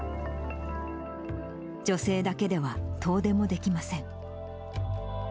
女性だけでは遠出もできません。